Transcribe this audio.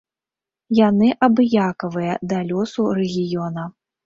Яны абыякавыя да лёсу рэгіёна.